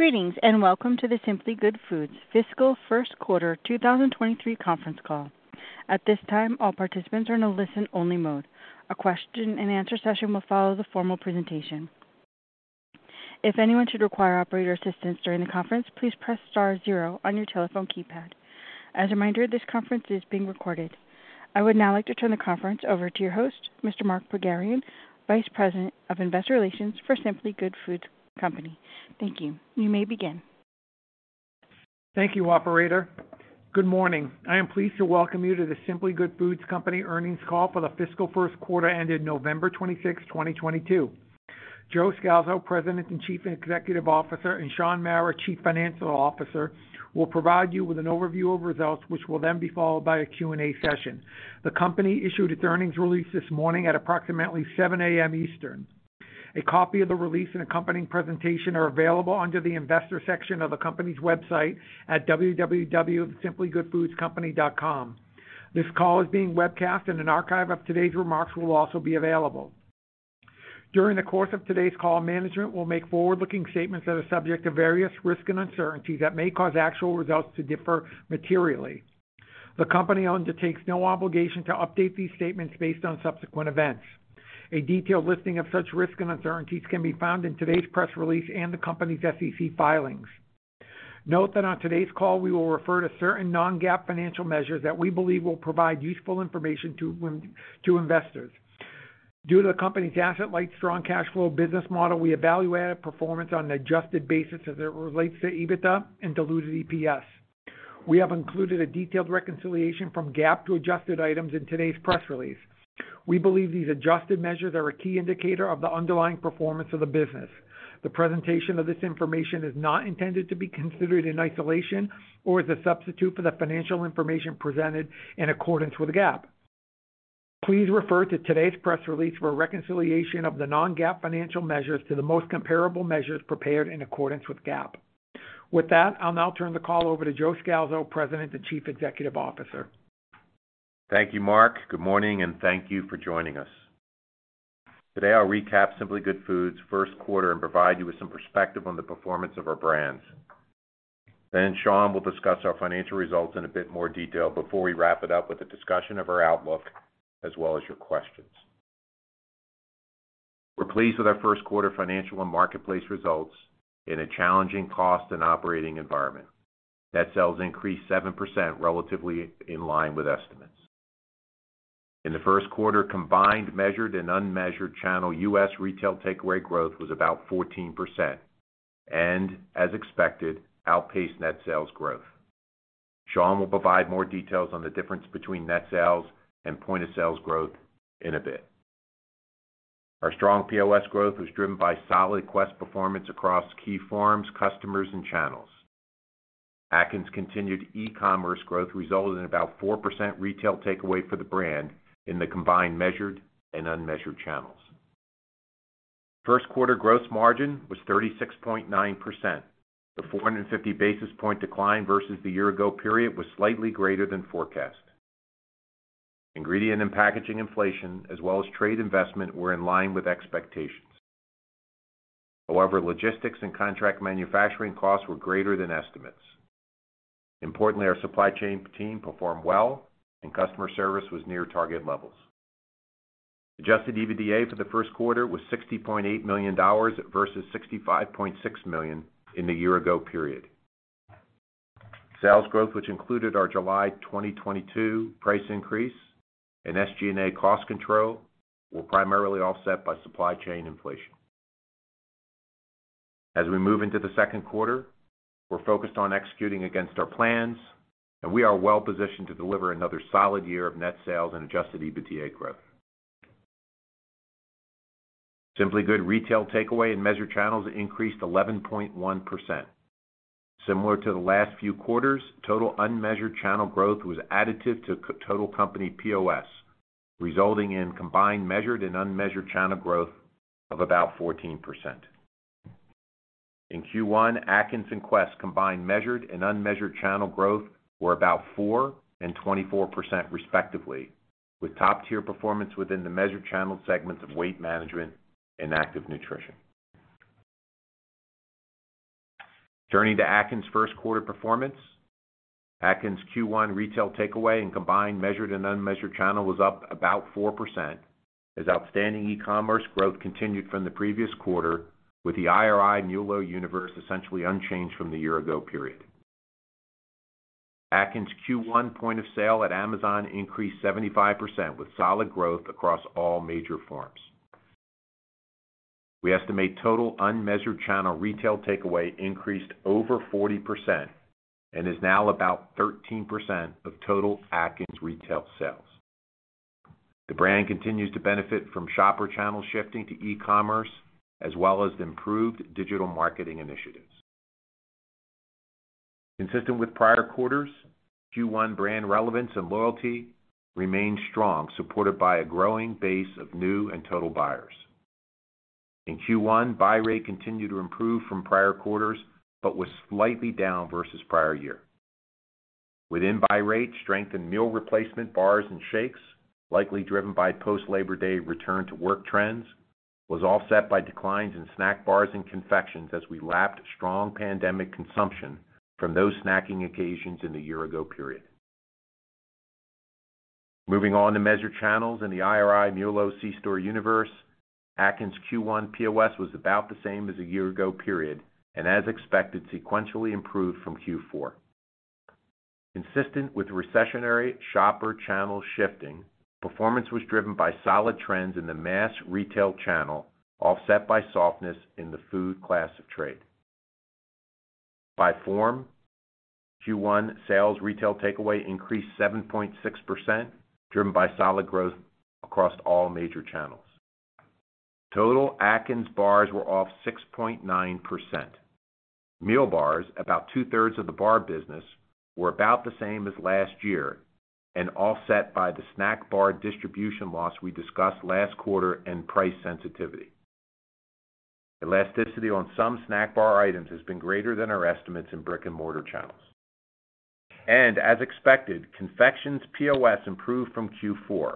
Greetings, welcome to the Simply Good Foods Fiscal First Quarter 2023 conference call. At this time, all participants are in a listen-only mode. A question and answer session will follow the formal presentation. If anyone should require operator assistance during the conference, please press star zero on your telephone keypad. A reminder, this conference is being recorded. I would now like to turn the conference over to your host, Mr. Mark Pogharian, Vice President of Investor Relations for Simply Good Foods Company. Thank you. You may begin. Thank you, operator. Good morning. I am pleased to welcome you to The Simply Good Foods Company earnings call for the fiscal first quarter ended November 26, 2022. Joe Scalzo, President and Chief Executive Officer, and Shaun Mara, Chief Financial Officer, will provide you with an overview of results, which will then be followed by a Q&A session. The company issued its earnings release this morning at approximately 7:00 A.M. Eastern. A copy of the release and accompanying presentation are available under the investor section of the company's website at www.thesimplygoodfoodscompany.com. This call is being webcast, and an archive of today's remarks will also be available. During the course of today's call, management will make forward-looking statements that are subject to various risks and uncertainties that may cause actual results to differ materially. The company undertakes no obligation to update these statements based on subsequent events. A detailed listing of such risks and uncertainties can be found in today's press release and the company's SEC filings. Note that on today's call, we will refer to certain non-GAAP financial measures that we believe will provide useful information to investors. Due to the company's asset-light strong cash flow business model, we evaluate performance on an adjusted basis as it relates to EBITDA and diluted EPS. We have included a detailed reconciliation from GAAP to adjusted items in today's press release. We believe these adjusted measures are a key indicator of the underlying performance of the business. The presentation of this information is not intended to be considered in isolation or as a substitute for the financial information presented in accordance with GAAP. Please refer to today's press release for a reconciliation of the non-GAAP financial measures to the most comparable measures prepared in accordance with GAAP. With that, I'll now turn the call over to Joe Scalzo, President and Chief Executive Officer. Thank you, Mark. Good morning, and thank you for joining us. Today, I'll recap Simply Good Foods first quarter and provide you with some perspective on the performance of our brands. Shaun will discuss our financial results in a bit more detail before we wrap it up with a discussion of our outlook as well as your questions. We're pleased with our first quarter financial and marketplace results in a challenging cost and operating environment. Net sales increased 7% relatively in line with estimates. In the first quarter, combined, measured, and unmeasured channel U.S. retail takeaway growth was about 14% and, as expected, outpaced net sales growth. Shaun will provide more details on the difference between net sales and point-of-sale growth in a bit. Our strong POS growth was driven by solid Quest performance across key farms, customers, and channels. Atkins continued e-commerce growth resulted in about 4% retail takeaway for the brand in the combined measured and unmeasured channels. First quarter gross margin was 36.9%. The 450 basis point decline versus the year ago period was slightly greater than forecast. Ingredient and packaging inflation as well as trade investment were in line with expectations. However, logistics and contract manufacturing costs were greater than estimates. Importantly, our supply chain team performed well and customer service was near target levels. Adjusted EBITDA for the first quarter was $60.8 million versus $65.6 million in the year ago period. Sales growth, which included our July 2022 price increase and SG&A cost control, were primarily offset by supply chain inflation. As we move into the second quarter, we're focused on executing against our plans, we are well positioned to deliver another solid year of net sales and adjusted EBITDA growth. Simply Good retail takeaway in measured channels increased 11.1%. Similar to the last few quarters, total unmeasured channel growth was additive to total company POS, resulting in combined measured and unmeasured channel growth of about 14%. In Q1, Atkins and Quest combined measured and unmeasured channel growth were about 4% and 24% respectively, with top-tier performance within the measured channel segments of weight management and active nutrition. Turning to Atkins first quarter performance. Atkins Q1 retail takeaway in combined measured and unmeasured channel was up about 4% as outstanding e-commerce growth continued from the previous quarter with the IRI MULO universe essentially unchanged from the year ago period. Atkins Q1 point of sale at Amazon increased 75% with solid growth across all major forms. We estimate total unmeasured channel retail takeaway increased over 40% and is now about 13% of total Atkins retail sales. The brand continues to benefit from shopper channel shifting to e-commerce as well as improved digital marketing initiatives. Consistent with prior quarters, Q1 brand relevance and loyalty remained strong, supported by a growing base of new and total buyers. In Q1, buy rate continued to improve from prior quarters but was slightly down versus prior year. Within buy rate, strength in meal replacement bars and shakes, likely driven by post-Labor Day return to work trends, was offset by declines in snack bars and confections as we lapped strong pandemic consumption from those snacking occasions in the year-ago period. Moving on to measured channels in the IRI MULO + C-store universe, Atkins Q1 POS was about the same as the year-ago period, as expected, sequentially improved from Q4. Consistent with recessionary shopper channel shifting, performance was driven by solid trends in the mass retail channel, offset by softness in the food class of trade. By form, Q1 sales retail takeaway increased 7.6%, driven by solid growth across all major channels. Total Atkins bars were off 6.9%. Meal bars, about two-thirds of the bar business, were about the same as last year and offset by the snack bar distribution loss we discussed last quarter and price sensitivity. Elasticity on some snack bar items has been greater than our estimates in brick-and-mortar channels. As expected, confections POS improved from Q4.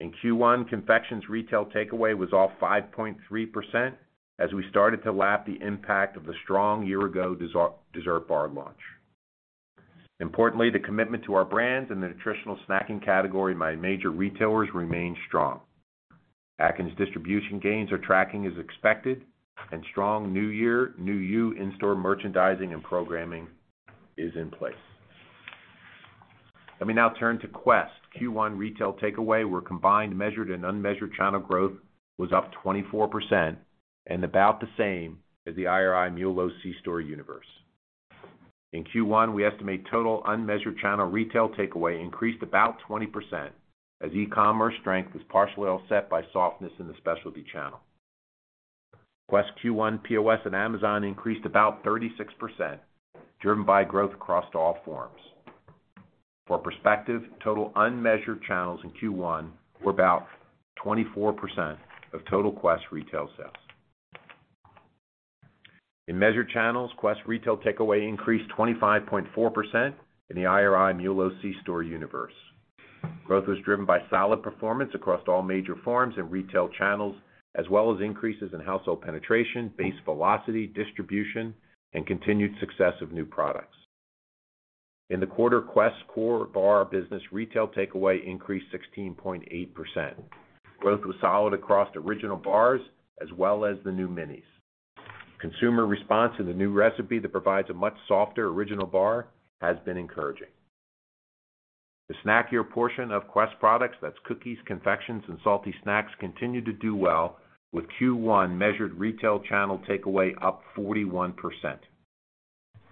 In Q1, confections retail takeaway was off 5.3% as we started to lap the impact of the strong year-ago dessert bar launch. Importantly, the commitment to our brands in the nutritional snacking category by major retailers remains strong. Atkins distribution gains are tracking as expected. Strong New Year, New You in-store merchandising and programming is in place. Let me now turn to Quest. Q1 retail takeaway, where combined measured and unmeasured channel growth was up 24%, about the same as the IRI MULO + C-store universe. In Q1, we estimate total unmeasured channel retail takeaway increased about 20% as e-commerce strength was partially offset by softness in the specialty channel. Quest Q1 POS at Amazon increased about 36%, driven by growth across all forms. For perspective, total unmeasured channels in Q1 were about 24% of total Quest retail sales. In measured channels, Quest retail takeaway increased 25.4% in the IRI MULO + C-store universe. Growth was driven by solid performance across all major forms and retail channels, as well as increases in household penetration, base velocity, distribution, and continued success of new products. In the quarter, Quest's core bar business retail takeaway increased 16.8%. Growth was solid across original bars as well as the new minis. Consumer response to the new recipe that provides a much softer original bar has been encouraging. The snackier portion of Quest products, that's cookies, confections, and salty snacks, continued to do well with Q1 measured retail channel takeaway up 41%.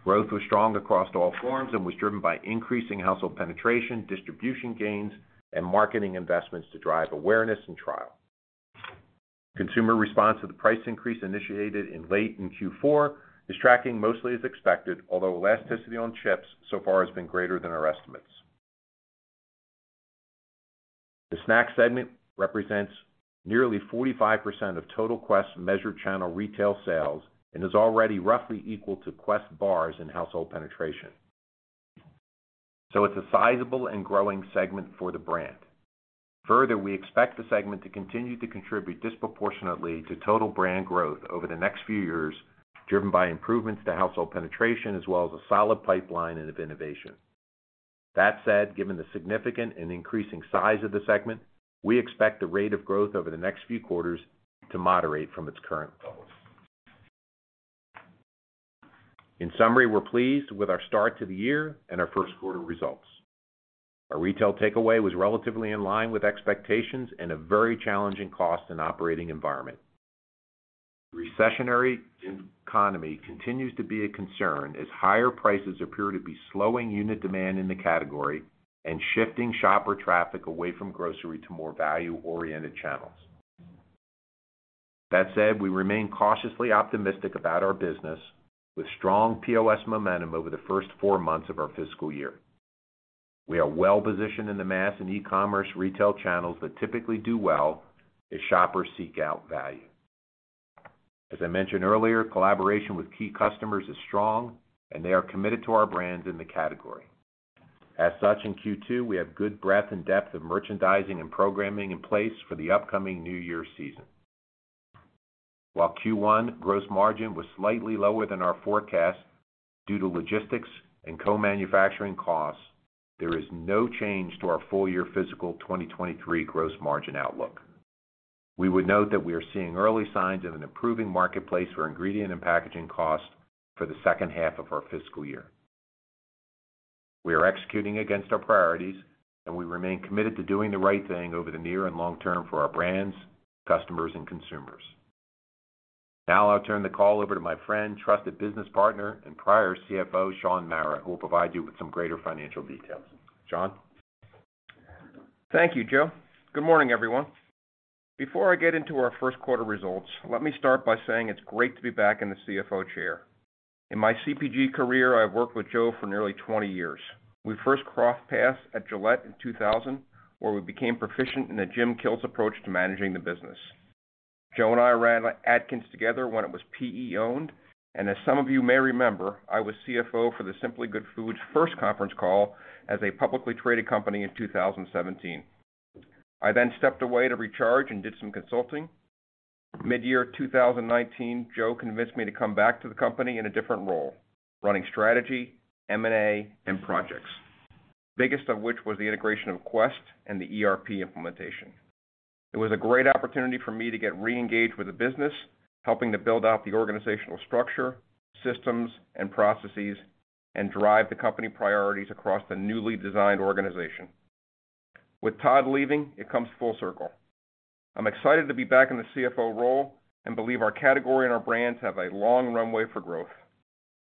Growth was strong across all forms and was driven by increasing household penetration, distribution gains, and marketing investments to drive awareness and trial. Consumer response to the price increase initiated in late in Q4 is tracking mostly as expected, although elasticity on chips so far has been greater than our estimates. The snack segment represents nearly 45% of total Quest measured channel retail sales and is already roughly equal to Quest bars in household penetration, so it's a sizable and growing segment for the brand. Further, we expect the segment to continue to contribute disproportionately to total brand growth over the next few years, driven by improvements to household penetration as well as a solid pipeline and of innovation. That said, given the significant and increasing size of the segment, we expect the rate of growth over the next few quarters to moderate from its current levels. In summary, we're pleased with our start to the year and our first quarter results. Our retail takeaway was relatively in line with expectations in a very challenging cost and operating environment. Recessionary economy continues to be a concern as higher prices appear to be slowing unit demand in the category and shifting shopper traffic away from grocery to more value-oriented channels. That said, we remain cautiously optimistic about our business with strong POS momentum over the first four months of our fiscal year. We are well positioned in the mass and e-commerce retail channels that typically do well as shoppers seek out value. As I mentioned earlier, collaboration with key customers is strong, and they are committed to our brands in the category. As such, in Q2, we have good breadth and depth of merchandising and programming in place for the upcoming New Year season. While Q1 gross margin was slightly lower than our forecast due to logistics and co-manufacturing costs, there is no change to our full-year fiscal 2023 gross margin outlook. We would note that we are seeing early signs of an improving marketplace for ingredient and packaging costs for the second half of our fiscal year. We are executing against our priorities, and we remain committed to doing the right thing over the near and long term for our brands, customers, and consumers. I'll turn the call over to my friend, trusted business partner, and prior CFO, Shaun Mara, who will provide you with some greater financial details. Shaun? Thank you, Joe. Good morning, everyone. Before I get into our first quarter results, let me start by saying it's great to be back in the CFO chair. In my CPG career, I've worked with Joe for nearly 20 years. We first crossed paths at Gillette in 2000, where we became proficient in the Jim Kilts approach to managing the business. Joe and I ran Atkins together when it was PE-owned, and as some of you may remember, I was CFO for The Simply Good Foods first conference call as a publicly traded company in 2017. I stepped away to recharge and did some consulting. Mid-year 2019, Joe convinced me to come back to the company in a different role, running strategy, M&A, and projects, biggest of which was the integration of Quest and the ERP implementation. It was a great opportunity for me to get re-engaged with the business, helping to build out the organizational structure, systems and processes, and drive the company priorities across the newly designed organization. With Todd leaving, it comes full circle. I'm excited to be back in the CFO role and believe our category and our brands have a long runway for growth.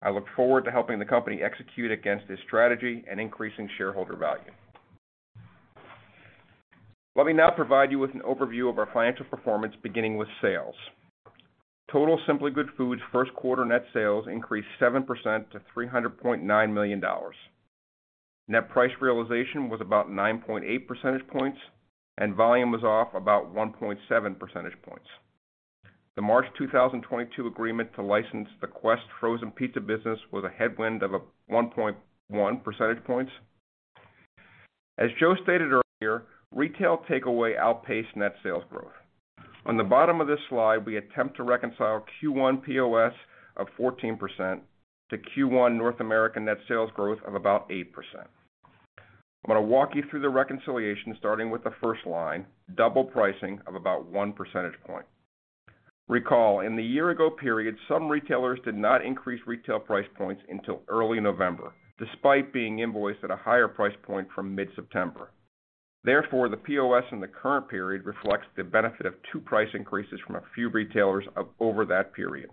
I look forward to helping the company execute against this strategy and increasing shareholder value. Let me now provide you with an overview of our financial performance, beginning with sales. Total Simply Good Foods first quarter net sales increased 7% to $300.9 million. Net price realization was about 9.8 percentage points, and volume was off about 1.7 percentage points. The March 2022 agreement to license the Quest frozen pizza business was a headwind of 1.1 percentage points. As Joe stated earlier, retail takeaway outpaced net sales growth. On the bottom of this slide, we attempt to reconcile Q1 POS of 14% to Q1 North American net sales growth of about 8%. I'm gonna walk you through the reconciliation, starting with the first line, double pricing of about 1 percentage point. Recall, in the year ago period, some retailers did not increase retail price points until early November, despite being invoiced at a higher price point from mid-September. Therefore, the POS in the current period reflects the benefit of two price increases from a few retailers over that period.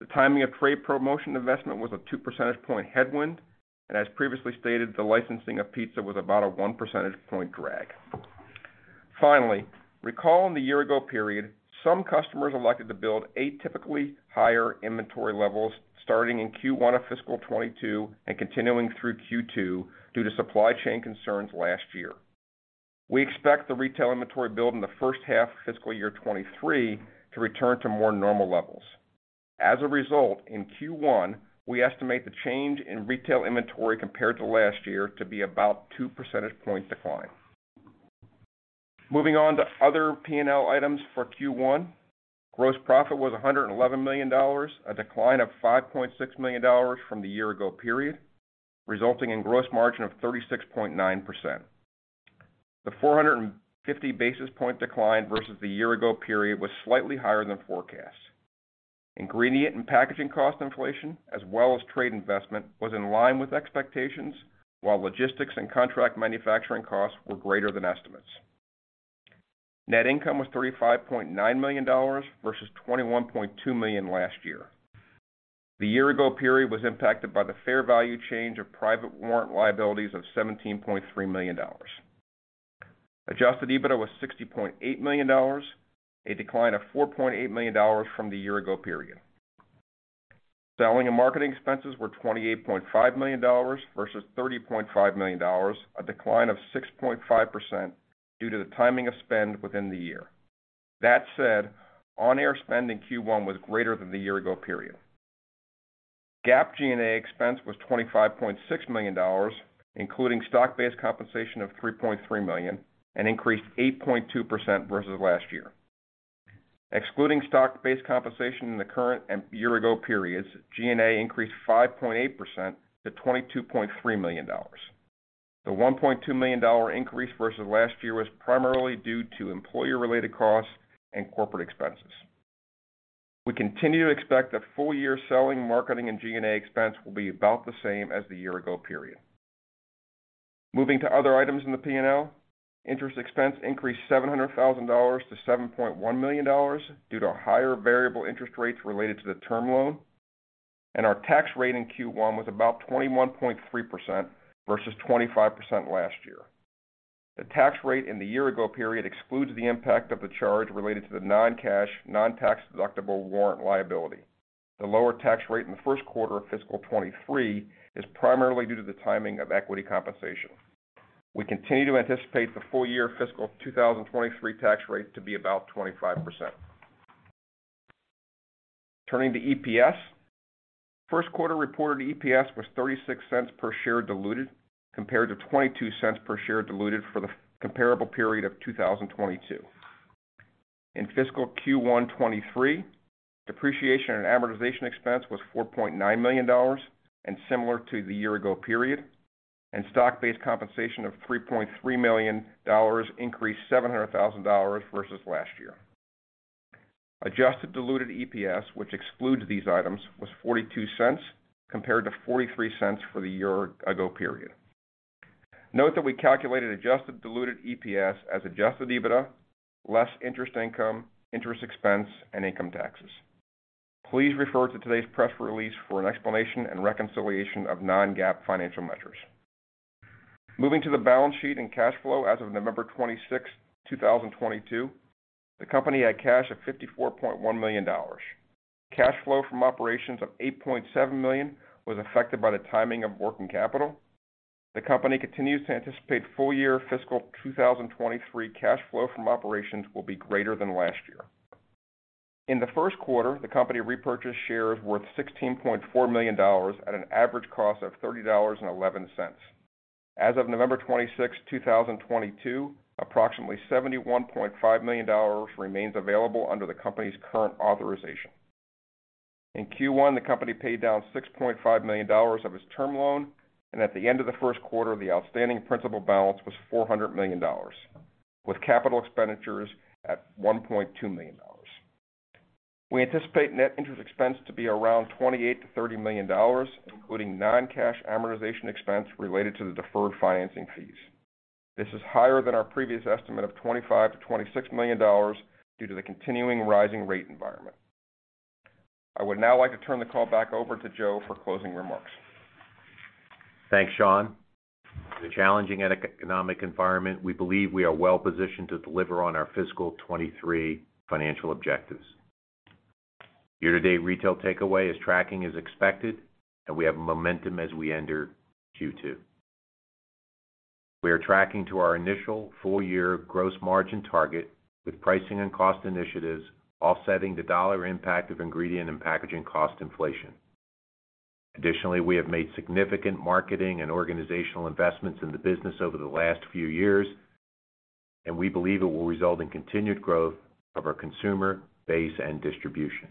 The timing of trade promotion investment was a 2 percentage point headwind. As previously stated, the licensing of pizza was about a 1 percentage point drag. Finally, recall in the year-ago period, some customers elected to build atypically higher inventory levels starting in Q1 of fiscal 2022 and continuing through Q2 due to supply chain concerns last year. We expect the retail inventory build in the first half of fiscal year 2023 to return to more normal levels. In Q1, we estimate the change in retail inventory compared to last year to be about 2 percentage point decline. Moving on to other P&L items for Q1. Gross profit was $111 million, a decline of $5.6 million from the year-ago period, resulting in gross margin of 36.9%. The 450 basis point decline versus the year ago period was slightly higher than forecast. Ingredient and packaging cost inflation, as well as trade investment, was in line with expectations, while logistics and contract manufacturing costs were greater than estimates. Net income was $35.9 million versus $21.2 million last year. The year ago period was impacted by the fair value change of private warrant liabilities of $17.3 million. Adjusted EBITDA was $60.8 million, a decline of $4.8 million from the year ago period. Selling and marketing expenses were $28.5 million versus $30.5 million, a decline of 6.5% due to the timing of spend within the year. That said, on-air spend in Q1 was greater than the year ago period. GAAP G&A expense was $25.6 million, including stock-based compensation of $3.3 million, and increased 8.2% versus last year. Excluding stock-based compensation in the current and year-ago periods, G&A increased 5.8% to $22.3 million. The $1.2 million increase versus last year was primarily due to employee-related costs and corporate expenses. We continue to expect that full-year selling, marketing, and G&A expense will be about the same as the year-ago period. Moving to other items in the P&L. Interest expense increased $700,000-$7.1 million due to higher variable interest rates related to the term loan. Our tax rate in Q1 was about 21.3% versus 25% last year. The tax rate in the year ago period excludes the impact of the charge related to the non-cash, non-tax deductible warrant liability. The lower tax rate in the first quarter of fiscal 2023 is primarily due to the timing of equity compensation. We continue to anticipate the full-year fiscal 2023 tax rate to be about 25%. Turning to EPS. First quarter reported EPS was $0.36 per share diluted, compared to $0.22 per share diluted for the comparable period of 2022. In fiscal Q1 2023, depreciation and amortization expense was $4.9 million and similar to the year ago period, and stock-based compensation of $3.3 million increased $700,000 versus last year. Adjusted diluted EPS, which excludes these items, was $0.42, compared to $0.43 for the year ago period. Note that we calculated adjusted diluted EPS as adjusted EBITDA, less interest income, interest expense, and income taxes. Please refer to today's press release for an explanation and reconciliation of non-GAAP financial measures. Moving to the balance sheet and cash flow as of November 26th, 2022. The company had cash of $54.1 million. Cash flow from operations of $8.7 million was affected by the timing of working capital. The company continues to anticipate full year fiscal 2023 cash flow from operations will be greater than last year. In the first quarter, the company repurchased shares worth $16.4 million at an average cost of $30.11. As of November 26, 2022, approximately $71.5 million remains available under the company's current authorization. In Q1, the company paid down $6.5 million of its term loan, and at the end of the first quarter, the outstanding principal balance was $400 million, with capital expenditures at $1.2 million. We anticipate net interest expense to be around $28 million-$30 million, including non-cash amortization expense related to the deferred financing fees. This is higher than our previous estimate of $25 million-$26 million due to the continuing rising rate environment. I would now like to turn the call back over to Joe for closing remarks. Thanks, Shaun. In a challenging economic environment, we believe we are well-positioned to deliver on our fiscal 2023 financial objectives. Year-to-date retail takeaway is tracking as expected, and we have momentum as we enter Q2. We are tracking to our initial full-year gross margin target with pricing and cost initiatives offsetting the dollar impact of ingredient and packaging cost inflation. Additionally, we have made significant marketing and organizational investments in the business over the last few years, and we believe it will result in continued growth of our consumer base and distribution.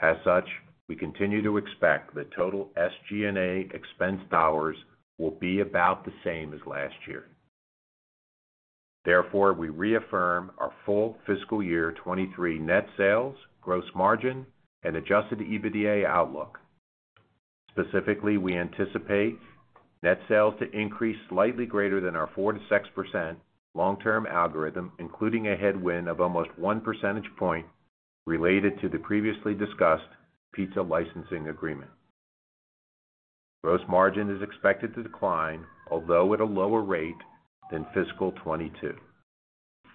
As such, we continue to expect that total SG&A expense dollars will be about the same as last year. Therefore, we reaffirm our full fiscal year 2023 net sales, gross margin, and adjusted EBITDA outlook. Specifically, we anticipate net sales to increase slightly greater than our 4%-6% long-term algorithm, including a headwind of almost one percentage point related to the previously discussed pizza licensing agreement. Gross margin is expected to decline, although at a lower rate than fiscal 2022.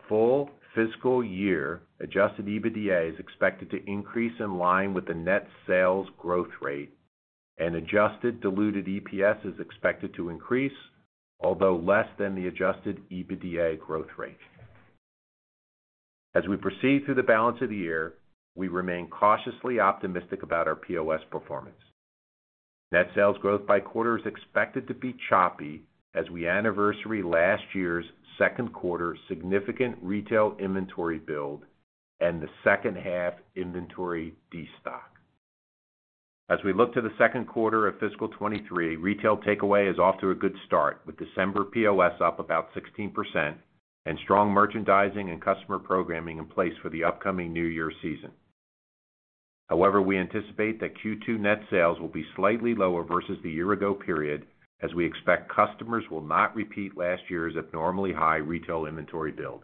Full fiscal year adjusted EBITDA is expected to increase in line with the net sales growth rate and adjusted diluted EPS is expected to increase, although less than the adjusted EBITDA growth rate. As we proceed through the balance of the year, we remain cautiously optimistic about our POS performance. Net sales growth by quarter is expected to be choppy as we anniversary last year's second quarter significant retail inventory build and the second half inventory destock. As we look to the second quarter of fiscal 2023, retail takeaway is off to a good start, with December POS up about 16% and strong merchandising and customer programming in place for the upcoming New Year season. We anticipate that Q2 net sales will be slightly lower versus the year ago period as we expect customers will not repeat last year's abnormally high retail inventory build.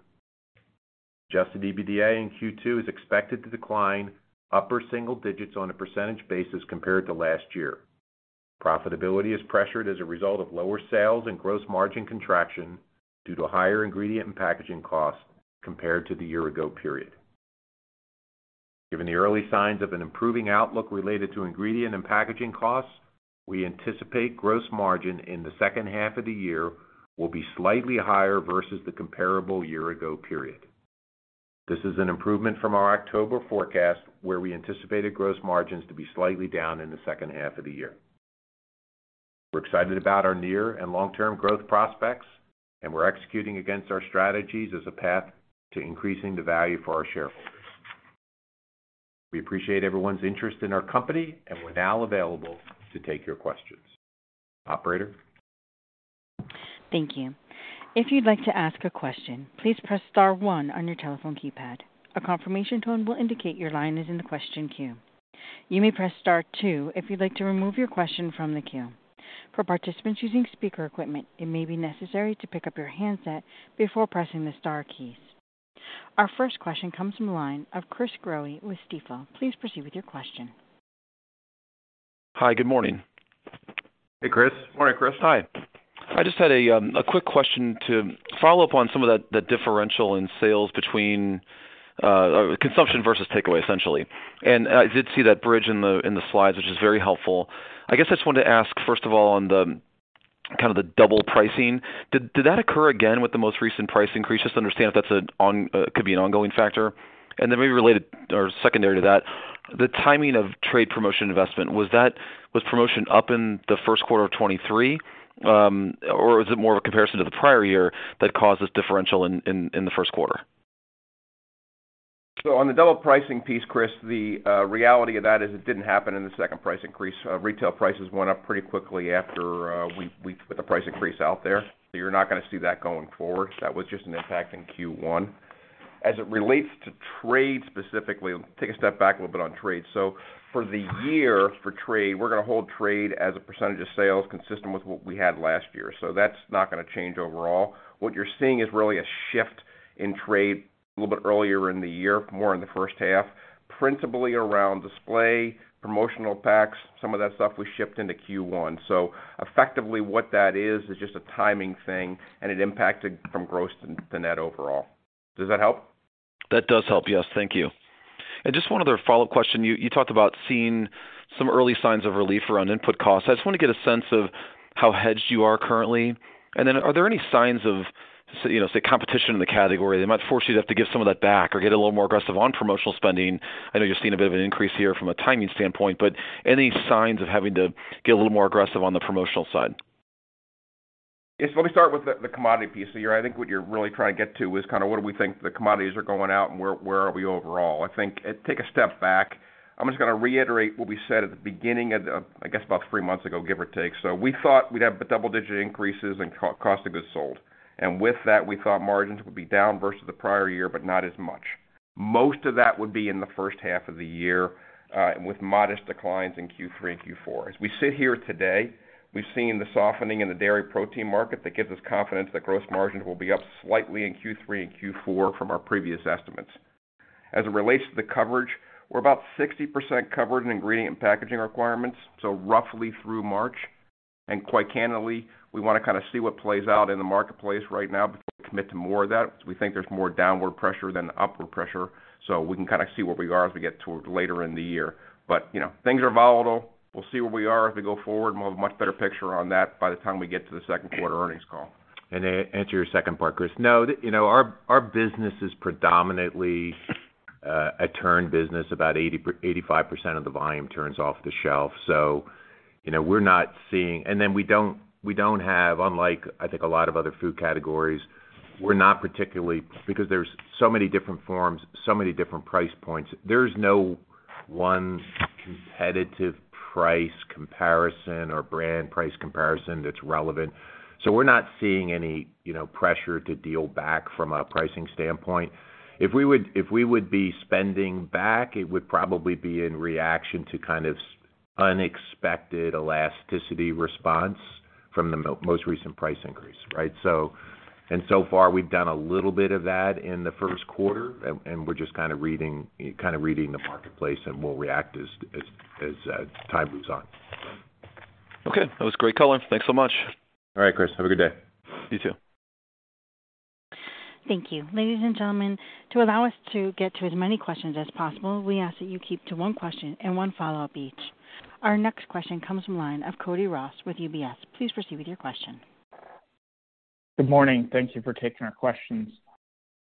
Adjusted EBITDA in Q2 is expected to decline upper single digits on a percentage basis compared to last year. Profitability is pressured as a result of lower sales and gross margin contraction due to higher ingredient and packaging costs compared to the year ago period. Given the early signs of an improving outlook related to ingredient and packaging costs, we anticipate gross margin in the second half of the year will be slightly higher versus the comparable year ago period. This is an improvement from our October forecast, where we anticipated gross margins to be slightly down in the second half of the year. We're excited about our near and long-term growth prospects, and we're executing against our strategies as a path to increasing the value for our shareholders. We appreciate everyone's interest in our company, and we're now available to take your questions. Operator? Thank you. If you'd like to ask a question, please press star one on your telephone keypad. A confirmation tone will indicate your line is in the question queue. You may press star two if you'd like to remove your question from the queue. For participants using speaker equipment, it may be necessary to pick up your handset before pressing the star keys. Our first question comes from the line of Chris Growe with Stifel. Please proceed with your question. Hi. Good morning. Hey, Chris. Morning, Chris. Hi. I just had a quick question to follow up on some of that differential in sales between consumption versus takeaway, essentially. I did see that bridge in the slides, which is very helpful. I guess I just wanted to ask, first of all, on the kind of the double pricing, did that occur again with the most recent price increase? Just to understand if that could be an ongoing factor. Then maybe related or secondary to that, the timing of trade promotion investment, was promotion up in the first quarter of 2023, or is it more of a comparison to the prior year that caused this differential in the first quarter? On the double pricing piece, Chris, the reality of that is it didn't happen in the second price increase. Retail prices went up pretty quickly after we put the price increase out there. You're not gonna see that going forward. That was just an impact in Q1. As it relates to trade specifically, take a step back a little bit on trade. For the year for trade, we're gonna hold trade as a percentage of sales consistent with what we had last year. That's not gonna change overall. What you're seeing is really a shift in trade a little bit earlier in the year, more in the first half, principally around display, promotional packs. Some of that stuff was shipped into Q1. Effectively what that is just a timing thing and it impacted from gross to net overall. Does that help? That does help, yes. Thank you. Just one other follow-up question. You talked about seeing some early signs of relief around input costs. I just wanna get a sense of how hedged you are currently. Then are there any signs of, say, you know, competition in the category that might force you to have to give some of that back or get a little more aggressive on promotional spending? I know you're seeing a bit of an increase here from a timing standpoint, but any signs of having to get a little more aggressive on the promotional side? Yes, let me start with the commodity piece here. I think what you're really trying to get to is kinda what do we think the commodities are going out and where are we overall. I think, take a step back. I'm just gonna reiterate what we said at the beginning of I guess about three months ago, give or take. We thought we'd have double-digit increases in co-cost of goods sold. With that, we thought margins would be down versus the prior year, but not as much. Most of that would be in the first half of the year, and with modest declines in Q3 and Q4. As we sit here today, we've seen the softening in the dairy protein market that gives us confidence that gross margins will be up slightly in Q3 and Q4 from our previous estimates. As it relates to the coverage, we're about 60% covered in ingredient and packaging requirements, so roughly through March. Quite candidly, we wanna kinda see what plays out in the marketplace right now before we commit to more of that because we think there's more downward pressure than upward pressure. We can kinda see where we are as we get to later in the year. You know, things are volatile. We'll see where we are as we go forward, and we'll have a much better picture on that by the time we get to the second quarter earnings call. To answer your second part, Chris. No. You know, our business is predominantly a turn business. About 80%-85% of the volume turns off the shelf. You know, we're not seeing... We don't have, unlike, I think, a lot of other food categories, we're not particularly. Because there's so many different forms, so many different price points, there's no one competitive price comparison or brand price comparison that's relevant. We're not seeing any, you know, pressure to deal back from a pricing standpoint. If we would be spending back, it would probably be in reaction to kind of unexpected elasticity response from the most recent price increase, right? So far, we've done a little bit of that in the first quarter, and we're just kind of reading the marketplace, and we'll react as time moves on. Okay. That was great color. Thanks so much. All right, Chris. Have a good day. You too. Thank you. Ladies and gentlemen, to allow us to get to as many questions as possible, we ask that you keep to one question and one follow-up each. Our next question comes from line of Cody Ross with UBS. Please proceed with your question. Good morning. Thank you for taking our questions.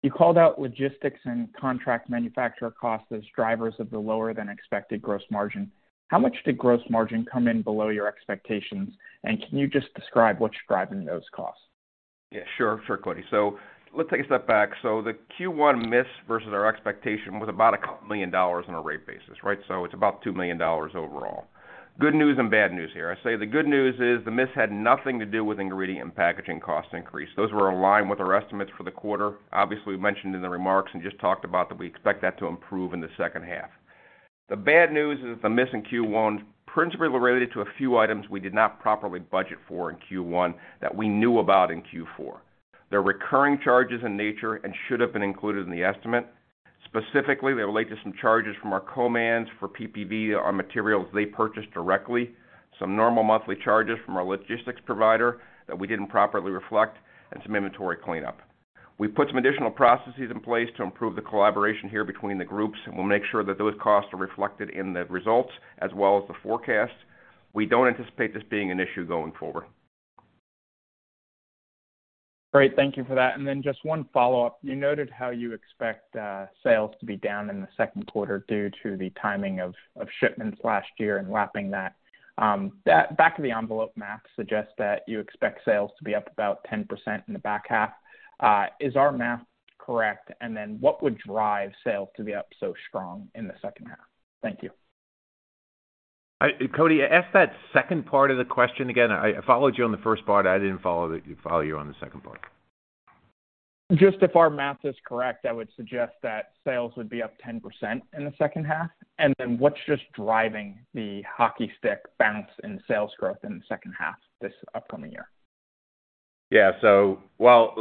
You called out logistics and contract manufacturer costs as drivers of the lower than expected gross margin. How much did gross margin come in below your expectations, and can you just describe what's driving those costs? Yeah, sure. Sure, Cody. Let's take a step back. The Q1 miss versus our expectation was about a couple million dollars on a rate basis, right? It's about $2 million overall. Good news and bad news here. I say the good news is the miss had nothing to do with ingredient and packaging cost increase. Those were aligned with our estimates for the quarter. Obviously, we mentioned in the remarks and just talked about that we expect that to improve in the second half. The bad news is the miss in Q1 principally related to a few items we did not properly budget for in Q1 that we knew about in Q4. They're recurring charges in nature and should have been included in the estimate. Specifically, they relate to some charges from our co-mans for PPV on materials they purchased directly, some normal monthly charges from our logistics provider that we didn't properly reflect, and some inventory cleanup. We've put some additional processes in place to improve the collaboration here between the groups, and we'll make sure that those costs are reflected in the results as well as the forecast. We don't anticipate this being an issue going forward. Great. Thank you for that. Just one follow-up. You noted how you expect sales to be down in the second quarter due to the timing of shipments last year and lapping that. That back of the envelope math suggests that you expect sales to be up about 10% in the back half. Is our math correct? What would drive sales to be up so strong in the second half? Thank you. Cody, ask that second part of the question again. I followed you on the first part. I didn't follow you on the second part. Just if our math is correct, that would suggest that sales would be up 10% in the second half. What's just driving the hockey stick bounce in sales growth in the second half this upcoming year? Yeah. Well,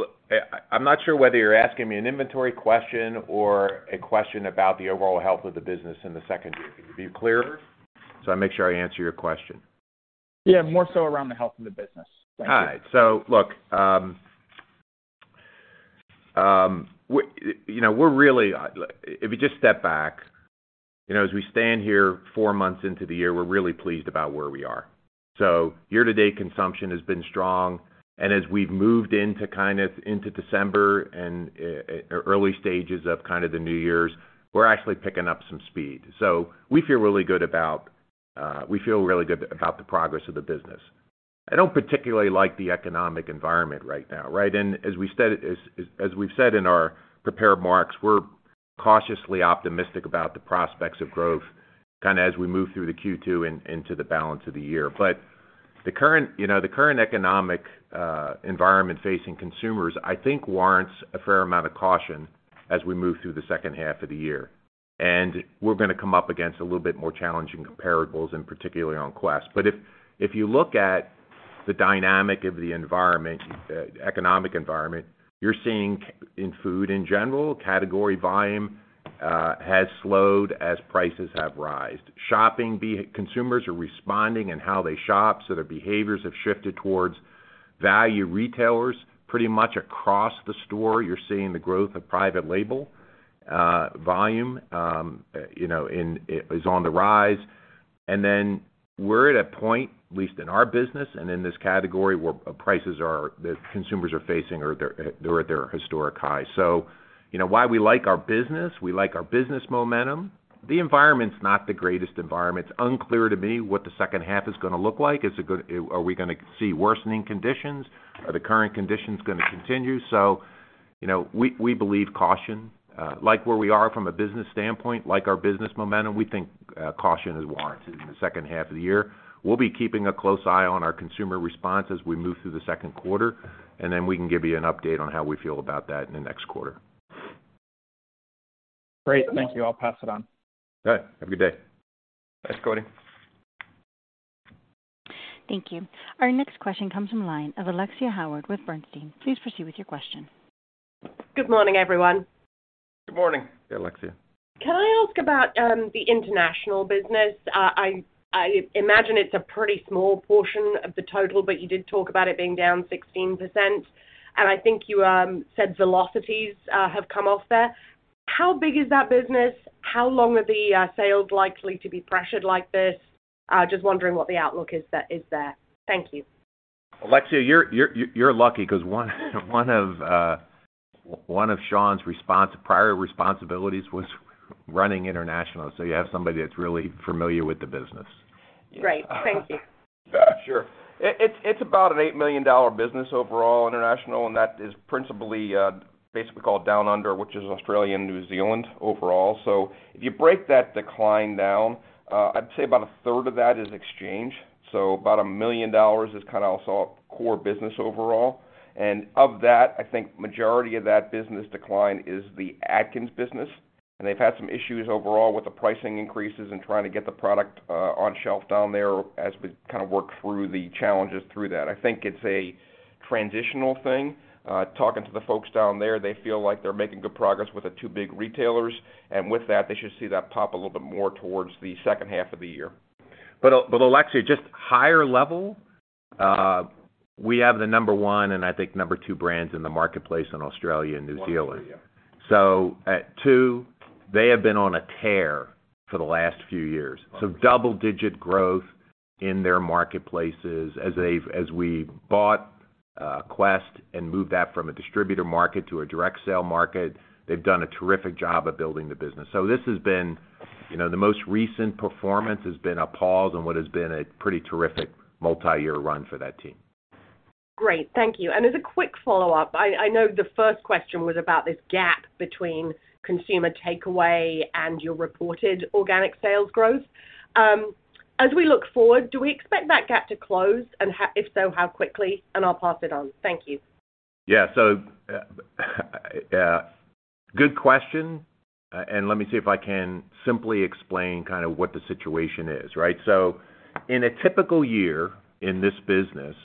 I'm not sure whether you're asking me an inventory question or a question about the overall health of the business in the second year. Can you be clearer so I make sure I answer your question? Yeah, more so around the health of the business. Thank you. All right. Look, You know, we're really, if you just step back, you know, as we stand here four months into the year, we're really pleased about where we are. Year-to-date consumption has been strong, and as we've moved into, kind of, into December and early stages of kind of the New Year's, we're actually picking up some speed. We feel really good about the progress of the business. I don't particularly like the economic environment right now, right? As we said, as we've said in our prepared remarks, we're cautiously optimistic about the prospects of growth, kinda as we move through the Q2 and into the balance of the year. The current, you know, the current economic environment facing consumers, I think warrants a fair amount of caution as we move through the second half of the year, and we're gonna come up against a little bit more challenging comparables and particularly on Quest. If, if you look at the dynamic of the environment, economic environment, you're seeing in food in general, category volume has slowed as prices have rised. Consumers are responding in how they shop, so their behaviors have shifted towards value retailers. Pretty much across the store, you're seeing the growth of private label volume, you know, is on the rise. We're at a point, at least in our business and in this category, where prices that consumers are facing are at their historic high. You know why we like our business? We like our business momentum. The environment's not the greatest environment. It's unclear to me what the second half is gonna look like. Is it good? Are we gonna see worsening conditions? Are the current conditions gonna continue? You know, we believe caution. Like where we are from a business standpoint, like our business momentum, we think caution is warranted in the second half of the year. We'll be keeping a close eye on our consumer response as we move through the second quarter. We can give you an update on how we feel about that in the next quarter. Great. Thank you. I'll pass it on. All right. Have a good day. Thanks, Cody. Thank you. Our next question comes from line of Alexia Howard with Bernstein. Please proceed with your question. Good morning, everyone. Good morning. Good morning, Alexia. Can I ask about the international business? I imagine it's a pretty small portion of the total, but you did talk about it being down 16%. I think you said velocities have come off there. How big is that business? How long are the sales likely to be pressured like this? Just wondering what the outlook is there. Thank you. Alexia, you're lucky 'cause one of Shaun's prior responsibilities was running international. You have somebody that's really familiar with the business. Great. Thank you. Sure. It's about an $8 million business overall, international, and that is principally, basically called Down Under, which is Australia and New Zealand overall. If you break that decline down, I'd say about a third of that is exchange. About $1 million is kinda also core business overall. Of that, I think majority of that business decline is the Atkins business. They've had some issues overall with the pricing increases and trying to get the product on shelf down there as we kinda work through the challenges through that. I think it's a transitional thing. Talking to the folks down there, they feel like they're making good progress with the two big retailers, and with that, they should see that pop a little bit more towards the second half of the year. Alexia, just higher level, we have the number one, and I think number two brands in the marketplace in Australia and New Zealand. Australia. At two, they have been on a tear for the last few years. Double-digit growth in their marketplaces as we bought Quest and moved that from a distributor market to a direct sale market. They've done a terrific job of building the business. This has been, you know, the most recent performance has been a pause on what has been a pretty terrific multi-year run for that team. Great. Thank you. As a quick follow-up, I know the first question was about this gap between consumer takeaway and your reported organic sales growth. As we look forward, do we expect that gap to close? If so, how quickly? I'll pass it on. Thank you. Yeah. Good question, and let me see if I can simply explain kind of what the situation is, right? In a typical year in this business,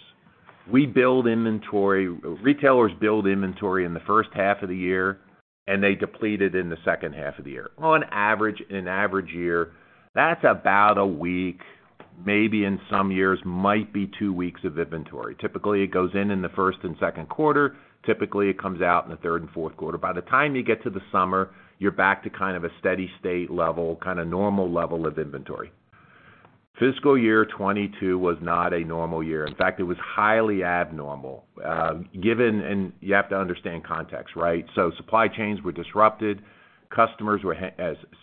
we build inventory, retailers build inventory in the first half of the year, and they deplete it in the second half of the year. On average, in an average year, that's about a week, maybe in some years, might be two weeks of inventory. Typically, it goes in in the first and second quarter. Typically, it comes out in the third and fourth quarter. By the time you get to the summer, you're back to kind of a steady state level, kind of normal level of inventory. Fiscal year 2022 was not a normal year. In fact, it was highly abnormal, given... You have to understand context, right? Supply chains were disrupted. Customers were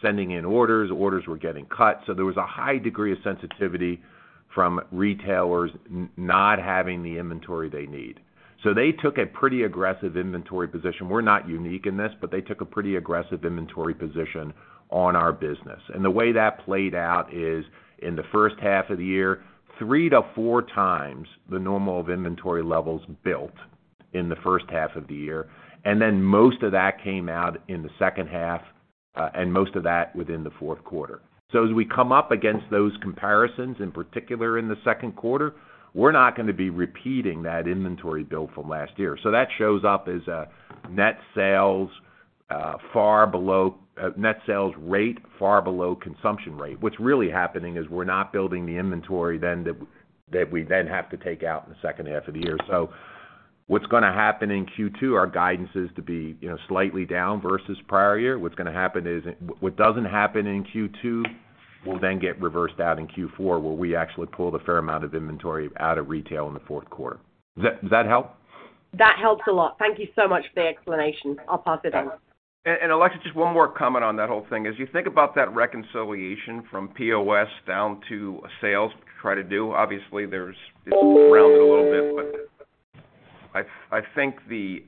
sending in orders were getting cut. There was a high degree of sensitivity from retailers not having the inventory they need. They took a pretty aggressive inventory position. We're not unique in this, but they took a pretty aggressive inventory position on our business. The way that played out is in the first half of the year, three to four times the normal of inventory levels built in the first half of the year. Most of that came out in the second half, and most of that within the fourth quarter. As we come up against those comparisons, in particular in the second quarter, we're not going to be repeating that inventory build from last year. That shows up as a net sales rate, far below consumption rate. What's really happening is we're not building the inventory then that we then have to take out in the second half of the year. What's gonna happen in Q2, our guidance is to be, you know, slightly down versus prior year. What's gonna happen is what doesn't happen in Q2 will then get reversed out in Q4, where we actually pull a fair amount of inventory out of retail in the fourth quarter. Does that help? That helps a lot. Thank you so much for the explanation. I'll pass it on. Alexia, just one more comment on that whole thing. As you think about that reconciliation from POS down to sales, we try to do, obviously, there's rounded a little bit, but I think the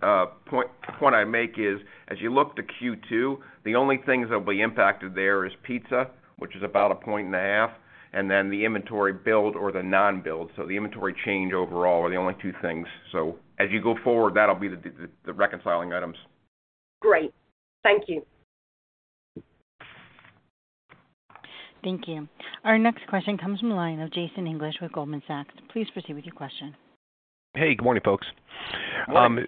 point I make is, as you look to Q2, the only things that will be impacted there is pizza, which is about a point and a half, and then the inventory build or the non-build. The inventory change overall are the only two things. As you go forward, that'll be the reconciling items. Great. Thank you. Thank you. Our next question comes from the line of Jason English with Goldman Sachs. Please proceed with your question. Hey, good morning, folks. Morning.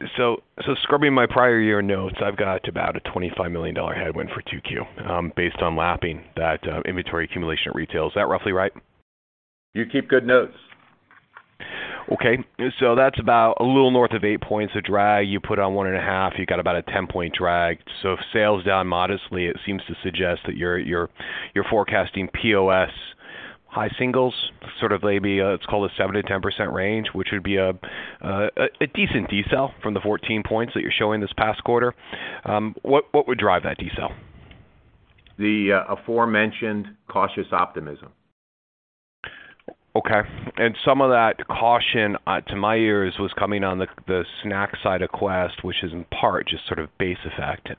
Scrubbing my prior year notes, I've got about a $25 million headwind for 2Q, based on lapping that, inventory accumulation at retail. Is that roughly right? You keep good notes. Okay. That's about a little north of eight points of drag. You put on 1.5, you got about a 10-point drag. If sales down modestly, it seems to suggest that you're forecasting POS high singles, sort of maybe let's call it 7%-10% range, which would be a decent decel from the 14 points that you're showing this past quarter. What would drive that decel? The aforementioned cautious optimism. Okay. Some of that caution, to my ears was coming on the snack side of Quest, which is in part just sort of base effect.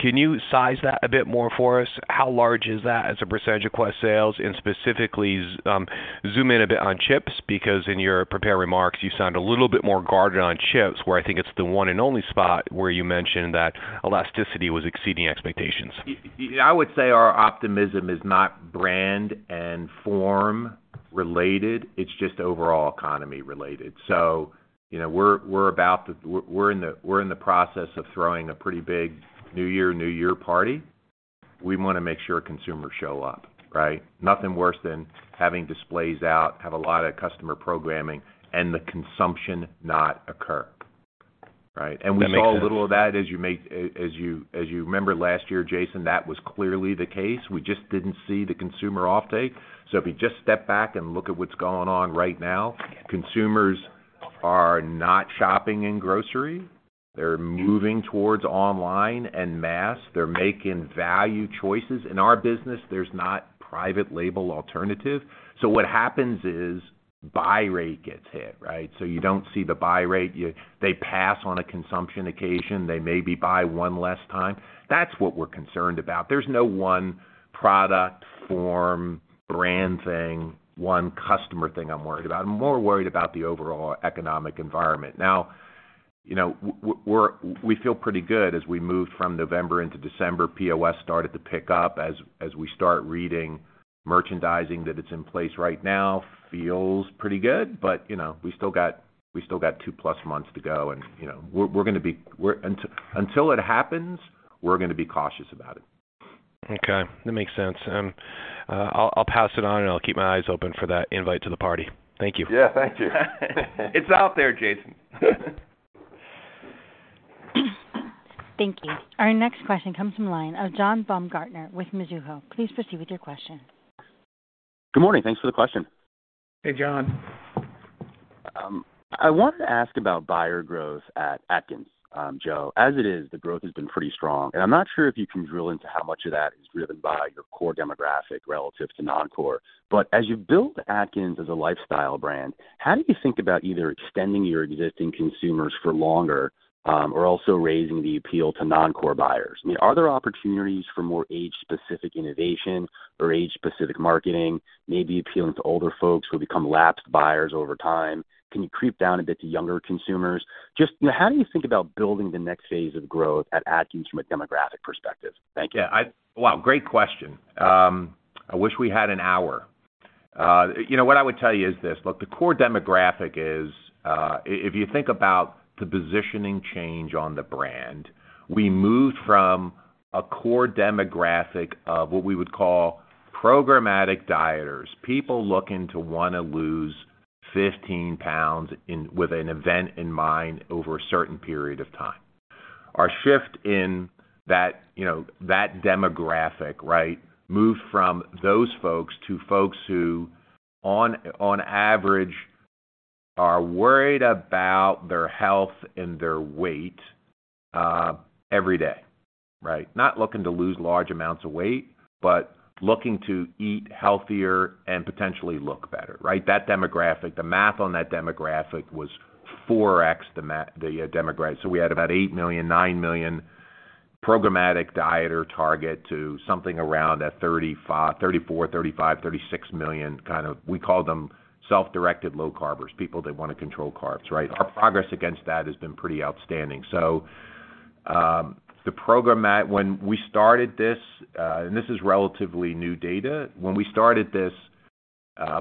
Can you size that a bit more for us? How large is that as a percentage of Quest sales? Specifically, zoom in a bit on chips, because in your prepared remarks, you sound a little bit more guarded on chips, where I think it's the one and only spot where you mentioned that elasticity was exceeding expectations. I would say our optimism is not brand and form related. It's just overall economy related. You know, we're in the process of throwing a pretty big New Year party. We wanna make sure consumers show up, right? Nothing worse than having displays out, have a lot of customer programming and the consumption not occur, right? That makes sense. We saw a little of that as you remember last year, Jason, that was clearly the case. We just didn't see the consumer offtake. If you just step back and look at what's going on right now, consumers are not shopping in grocery. They're moving towards online and mass. They're making value choices. In our business, there's not private label alternative. What happens is buy rate gets hit, right? You don't see the buy rate. They pass on a consumption occasion, they maybe buy one less time. That's what we're concerned about. There's no one product, form, brand thing, one customer thing I'm worried about. I'm more worried about the overall economic environment. You know, we feel pretty good as we move from November into December. POS started to pick up as we start reading merchandising that it's in place right now feels pretty good, but, you know, we still got two-plus months to go and, you know, we're gonna be until it happens, we're gonna be cautious about it. Okay, that makes sense. I'll pass it on and I'll keep my eyes open for that invite to the party. Thank you. Yeah, thank you. It's out there, Jason. Thank you. Our next question comes from line of John Baumgartner with Mizuho. Please proceed with your question. Good morning. Thanks for the question. Hey, John. I wanted to ask about buyer growth at Atkins, Joe. As it is, the growth has been pretty strong, and I'm not sure if you can drill into how much of that is driven by your core demographic relative to non-core. As you've built Atkins as a lifestyle brand, how do you think about either extending your existing consumers for longer, or also raising the appeal to non-core buyers? Are there opportunities for more age-specific innovation or age-specific marketing, maybe appealing to older folks who become lapsed buyers over time? Can you creep down a bit to younger consumers? You know, how do you think about building the next phase of growth at Atkins from a demographic perspective? Thank you. Yeah, Wow, great question. I wish we had an hour. You know, what I would tell you is this. Look, the core demographic is, if you think about the positioning change on the brand, we moved from a core demographic of what we would call programmatic dieters, people looking to wanna lose 15 pounds with an event in mind over a certain period of time. Our shift in that, you know, that demographic, right, moved from those folks to folks who on average are worried about their health and their weight every day, right? Not looking to lose large amounts of weight, looking to eat healthier and potentially look better, right? That demographic, the math on that demographic was 4x the demographic. We had about $8 million, $9 million programmatic dieter target to something around that 34, 35, $36 million kind of, we call them self-directed low carbers, people that wanna control carbs, right? Our progress against that has been pretty outstanding. The program when we started this, and this is relatively new data. When we started this,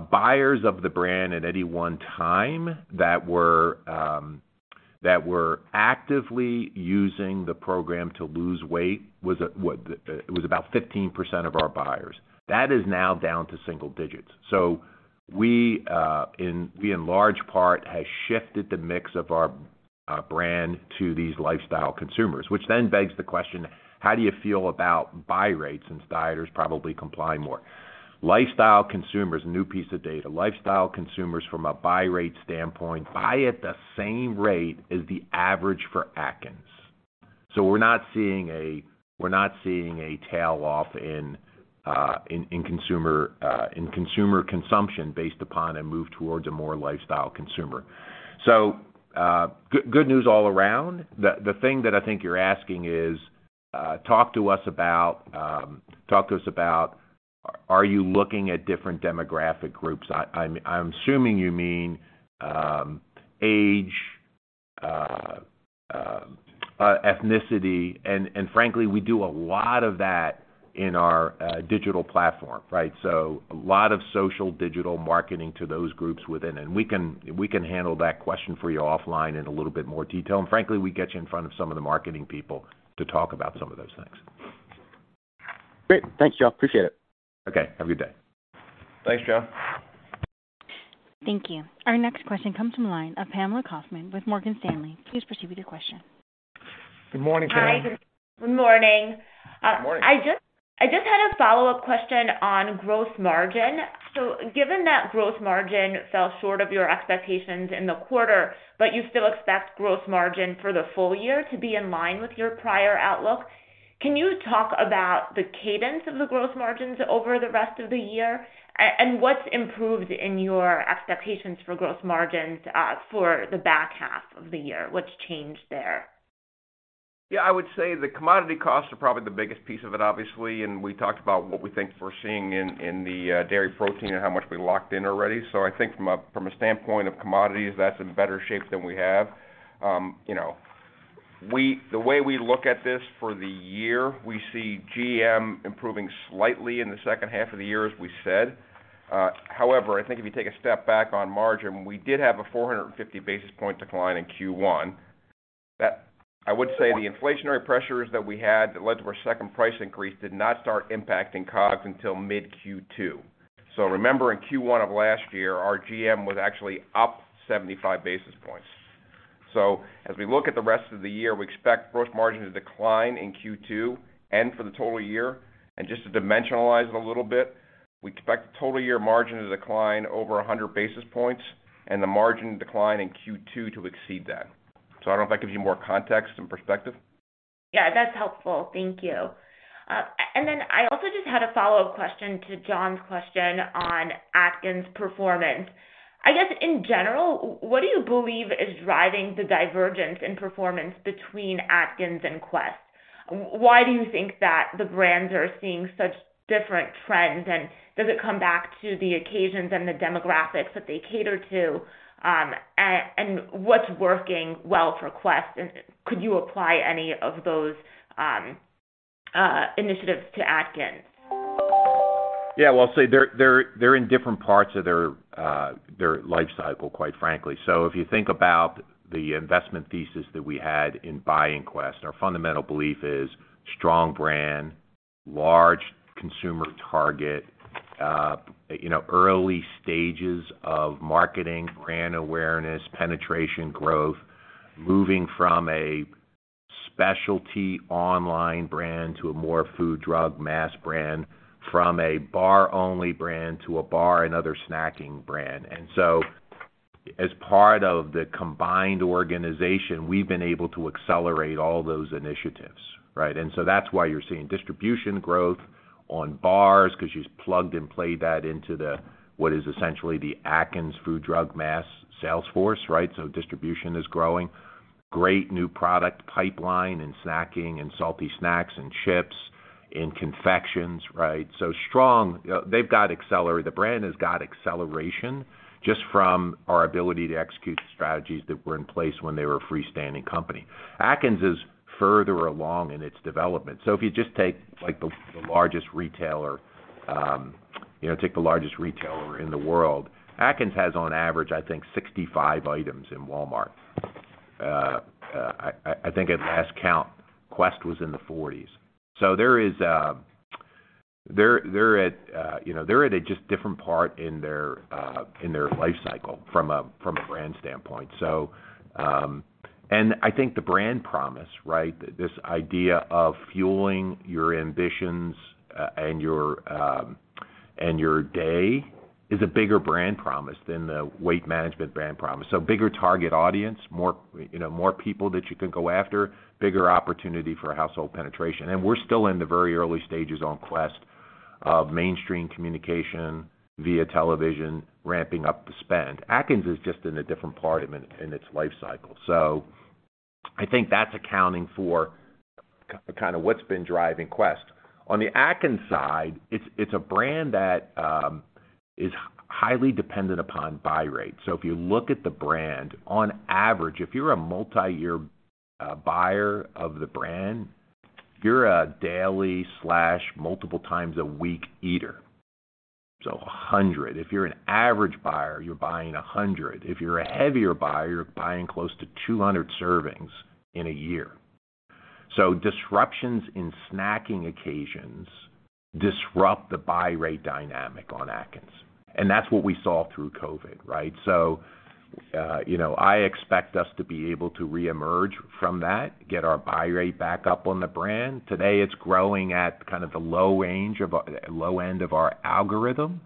buyers of the brand at any one time that were actively using the program to lose weight, it was about 15% of our buyers. That is now down to single digits. We in large part has shifted the mix of our brand to these lifestyle consumers, which then begs the question, how do you feel about buy rates since dieters probably comply more? Lifestyle consumers, new piece of data. Lifestyle consumers from a buy rate standpoint buy at the same rate as the average for Atkins. we're not seeing a tail off in consumer consumption based upon a move towards a more lifestyle consumer. good news all around. The thing that I think you're asking is talk to us about are you looking at different demographic groups? I'm assuming you mean age, ethnicity, and frankly, we do a lot of that in our digital platform, right? a lot of social digital marketing to those groups within, and we can handle that question for you offline in a little bit more detail. Frankly, we get you in front of some of the marketing people to talk about some of those things. Great. Thanks, y'all. Appreciate it. Okay, have a good day. Thanks, Joe. Thank you. Our next question comes from the line of Pamela Kaufman with Morgan Stanley. Please proceed with your question. Good morning, Pamela. Hi, good morning. Morning. I just had a follow-up question on gross margin. Given that gross margin fell short of your expectations in the quarter, but you still expect gross margin for the full year to be in line with your prior outlook, can you talk about the cadence of the gross margins over the rest of the year? What's improved in your expectations for gross margins for the back half of the year? What's changed there? I would say the commodity costs are probably the biggest piece of it, obviously, and we talked about what we think we're seeing in the dairy protein and how much we locked in already. I think from a standpoint of commodities, that's in better shape than we have. You know, the way we look at this for the year, we see GM improving slightly in the second half of the year, as we said. However, I think if you take a step back on margin, we did have a 450 basis point decline in Q1. I would say the inflationary pressures that we had that led to our second price increase did not start impacting COGS until mid Q2. Remember, in Q1 of last year, our GM was actually up 75 basis points. As we look at the rest of the year, we expect gross margin to decline in Q2 and for the total year. Just to dimensionalize it a little bit, we expect the total year margin to decline over 100 basis points and the margin decline in Q2 to exceed that. I don't know if that gives you more context and perspective. Yeah, that's helpful. Thank you. Then I also just had a follow-up question to John's question on Atkins' performance. I guess in general, what do you believe is driving the divergence in performance between Atkins and Quest? Why do you think that the brands are seeing such different trends? Does it come back to the occasions and the demographics that they cater to? What's working well for Quest? Could you apply any of those initiatives to Atkins? Well, I'll say they're in different parts of their life cycle, quite frankly. If you think about the investment thesis that we had in buying Quest, our fundamental belief is strong brand, large consumer target, you know, early stages of marketing, brand awareness, penetration growth, moving from a specialty online brand to a more food, drug, mass brand, from a bar-only brand to a bar and other snacking brand. As part of the combined organization, we've been able to accelerate all those initiatives, right? That's why you're seeing distribution growth on bars because you plugged and played that into the, what is essentially the Atkins food, drug, mass sales force, right? Distribution is growing. Great new product pipeline in snacking and salty snacks and chips, in confections, right? The brand has got acceleration just from our ability to execute the strategies that were in place when they were a freestanding company. Atkins is further along in its development. If you just take, like, the largest retailer, you know, take the largest retailer in the world, Atkins has on average, I think, 65 items in Walmart. I think at last count, Quest was in the 40s. There is, they're at a just different part in their life cycle from a brand standpoint. I think the brand promise, right, this idea of fueling your ambitions and your day is a bigger brand promise than the weight management brand promise. Bigger target audience, more, you know, more people that you can go after, bigger opportunity for household penetration. We're still in the very early stages on Quest of mainstream communication via television, ramping up the spend. Atkins is just in a different part of its life cycle. I think that's accounting for kind of what's been driving Quest. On the Atkins side, it's a brand that is highly dependent upon buy rate. If you look at the brand, on average, if you're a multi-year buyer of the brand, you're a daily/multiple times a week eater. 100. If you're an average buyer, you're buying 100. If you're a heavier buyer, you're buying close to 200 servings in a year. Disruptions in snacking occasions disrupt the buy rate dynamic on Atkins. That's what we saw through COVID, right? You know, I expect us to be able to reemerge from that, get our buy rate back up on the brand. Today, it's growing at kind of the low end of our algorithm.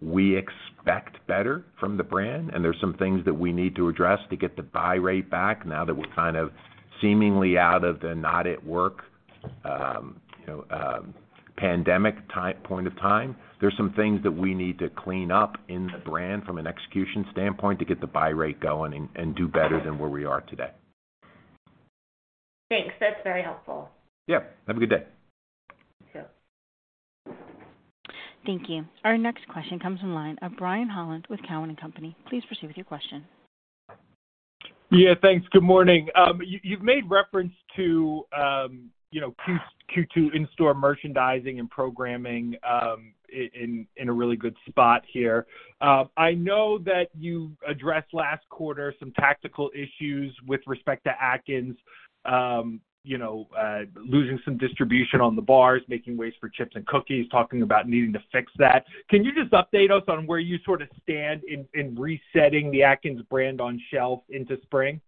We expect better from the brand, and there's some things that we need to address to get the buy rate back now that we're kind of seemingly out of the not at work, you know, pandemic point of time. There's some things that we need to clean up in the brand from an execution standpoint to get the buy rate going and do better than where we are today. Thanks. That's very helpful. Yeah, have a good day. Thank you. Thank you. Our next question comes from the line of Brian Holland with Cowen and Company. Please proceed with your question. Thanks. Good morning. You've made reference to, you know, Q2 in-store merchandising and programming, in a really good spot here. I know that you addressed last quarter some tactical issues with respect to Atkins. You know, losing some distribution on the bars, making ways for chips and cookies, talking about needing to fix that. Can you just update us on where you sort of stand in resetting the Atkins brand on shelf into spring?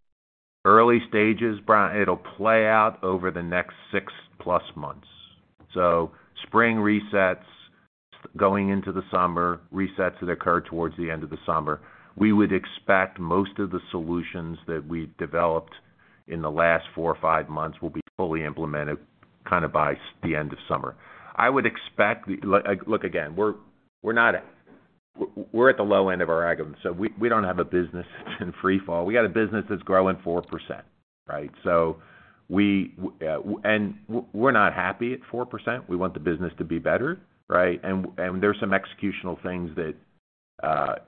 Early stages, Brian. It'll play out over the next six-plus months. Spring resets going into the summer, resets that occur towards the end of the summer. We would expect most of the solutions that we've developed in the last four or five months will be fully implemented kind of by the end of summer. I would expect-- Look, again, we're not at-- We're at the low end of our algorithm, we don't have a business that's in free fall. We got a business that's growing 4%, right? We're not happy at 4%. We want the business to be better, right? There's some executional things that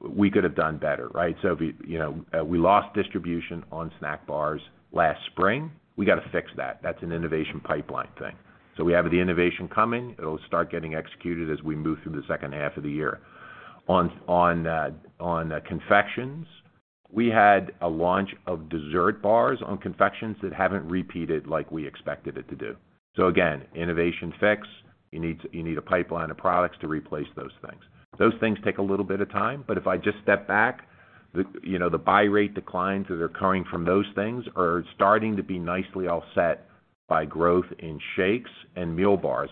we could have done better, right? If we, you know, we lost distribution on snack bars last spring, we got to fix that. That's an innovation pipeline thing. We have the innovation coming. It'll start getting executed as we move through the second half of the year. On confections, we had a launch of dessert bars on confections that haven't repeated like we expected it to do. Again, innovation fix. You need a pipeline of products to replace those things. Those things take a little bit of time, but if I just step back, you know, the buy rate declines that are coming from those things are starting to be nicely offset by growth in shakes and meal bars.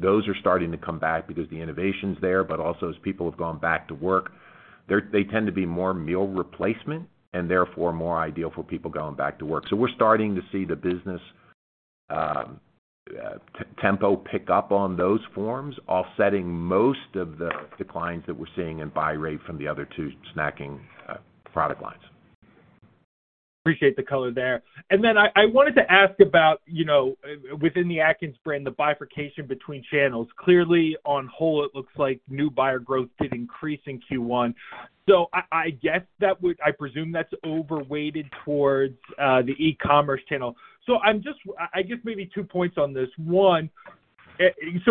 Those are starting to come back because the innovation's there, but also as people have gone back to work, they tend to be more meal replacement and therefore more ideal for people going back to work. We're starting to see the business, tempo pick up on those forms, offsetting most of the declines that we're seeing in buy rate from the other two snacking product lines. Appreciate the color there. I wanted to ask about, you know, within the Atkins brand, the bifurcation between channels. Clearly on whole, it looks like new buyer growth did increase in Q1. I presume that's overweighted towards the e-commerce channel. I just maybe two points on this. One,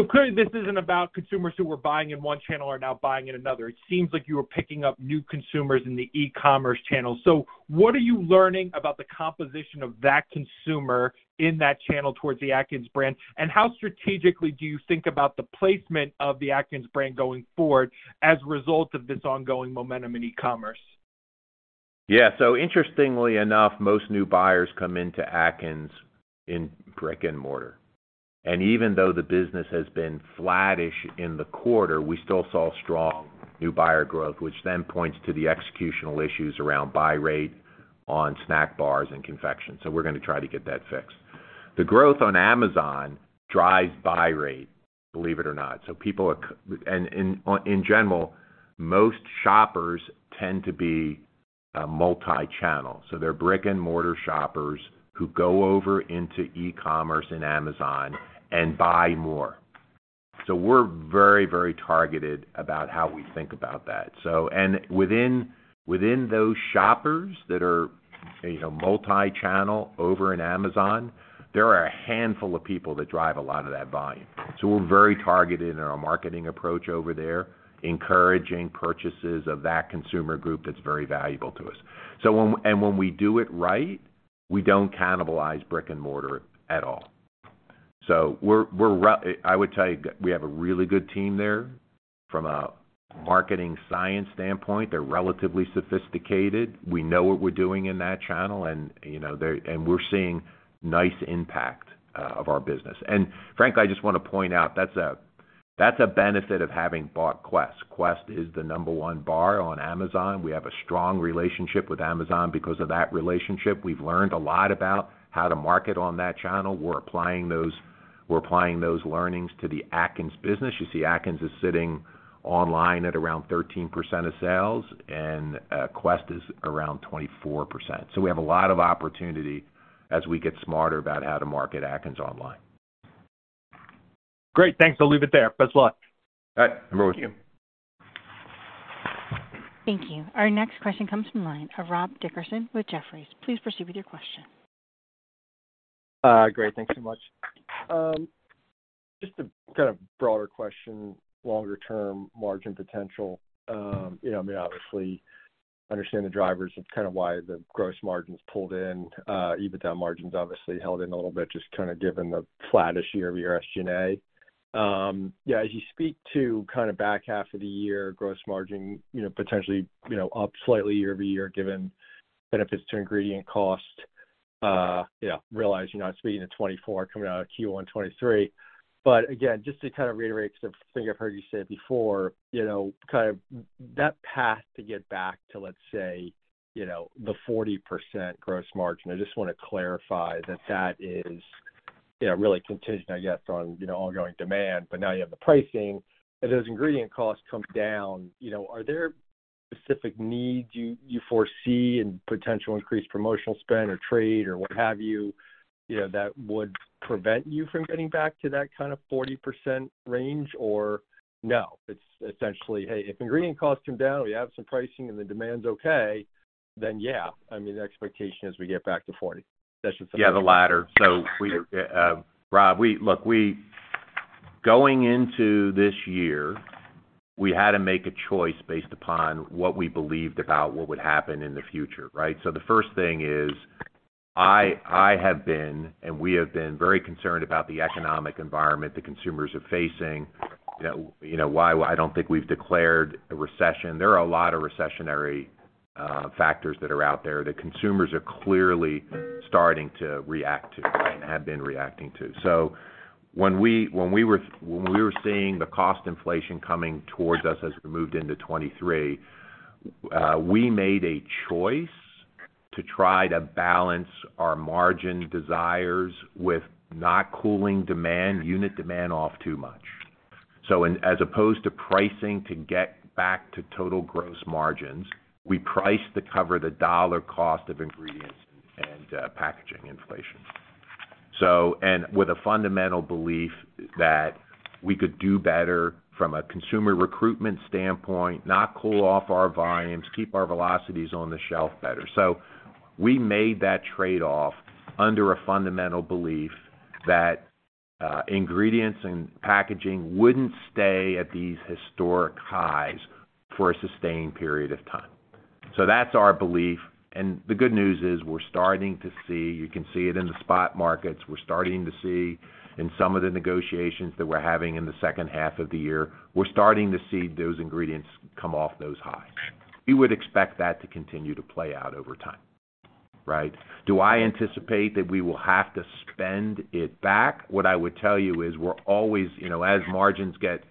clearly this isn't about consumers who were buying in one channel are now buying in another. It seems like you are picking up new consumers in the e-commerce channel. What are you learning about the composition of that consumer in that channel towards the Atkins brand? How strategically do you think about the placement of the Atkins brand going forward as a result of this ongoing momentum in e-commerce? Interestingly enough, most new buyers come into Atkins in brick-and-mortar. Even though the business has been flattish in the quarter, we still saw strong new buyer growth, which then points to the executional issues around buy rate on snack bars and confections. We're gonna try to get that fixed. The growth on Amazon drives buy rate, believe it or not. People are in general, most shoppers tend to be multi-channel. They're brick-and-mortar shoppers who go over into e-commerce and Amazon and buy more. We're very, very targeted about how we think about that. Within those shoppers that are, you know, multi-channel over in Amazon, there are a handful of people that drive a lot of that buying. We're very targeted in our marketing approach over there, encouraging purchases of that consumer group that's very valuable to us. When we do it right, we don't cannibalize brick-and-mortar at all. We have a really good team there from a marketing science standpoint. They're relatively sophisticated. We know what we're doing in that channel and, you know, we're seeing nice impact of our business. Frank, I just wanna point out that's a, that's a benefit of having bought Quest. Quest is the number one bar on Amazon. We have a strong relationship with Amazon because of that relationship. We've learned a lot about how to market on that channel. We're applying those learnings to the Atkins business. You see Atkins is sitting online at around 13% of sales, and Quest is around 24%. We have a lot of opportunity as we get smarter about how to market Atkins online. Great. Thanks. I'll leave it there. Best of luck. All right. We're with you. Thank you. Our next question comes from line of Rob Dickerson with Jefferies. Please proceed with your question. Great. Thanks so much. Just a kind of broader question, longer term margin potential. You know, I mean, obviously understand the drivers of kind of why the gross margins pulled in, EBITDA margins obviously held in a little bit just kind of given the flattish year-over-year SG&A. Yeah, as you speak to kind of back half of the year gross margin, you know, potentially, you know, up slightly year-over-year given benefits to ingredient cost, you know, realizing that it's being at 24 coming out of Q1 2023. Again, just to kind of reiterate something I've heard you say before, you know, kind of that path to get back to, let's say, you know, the 40% gross margin, I just wanna clarify that that is, you know, really contingent, I guess, on, you know, ongoing demand. Now you have the pricing, as those ingredient costs come down, you know, are there specific needs you foresee in potential increased promotional spend or trade or what have you know, that would prevent you from getting back to that kind of 40% range? No, it's essentially, hey, if ingredient costs come down, we have some pricing and the demand's okay, then yeah, I mean, the expectation is we get back to 40. That's just something. Yeah, the latter. we, Rob, look, we going into this year, we had to make a choice based upon what we believed about what would happen in the future, right? The first thing is, I have been, and we have been very concerned about the economic environment the consumers are facing. You know, why I don't think we've declared a recession. There are a lot of recessionary factors that are out there that consumers are clearly starting to react to and have been reacting to. when we were seeing the cost inflation coming towards us as we moved into 2023, we made a choice to try to balance our margin desires with not cooling demand, unit demand off too much. As opposed to pricing to get back to total gross margins, we priced to cover the dollar cost of ingredients and packaging inflation. With a fundamental belief that we could do better from a consumer recruitment standpoint, not cool off our volumes, keep our velocities on the shelf better. We made that trade-off under a fundamental belief that ingredients and packaging wouldn't stay at these historic highs for a sustained period of time. That's our belief, the good news is we're starting to see, you can see it in the spot markets. We're starting to see in some of the negotiations that we're having in the second half of the year, we're starting to see those ingredients come off those highs. We would expect that to continue to play out over time, right? Do I anticipate that we will have to spend it back? What I would tell you is we're always, you know, as margins get